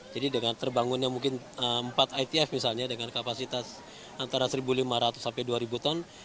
dengan terbangunnya mungkin empat itf misalnya dengan kapasitas antara satu lima ratus sampai dua ribu ton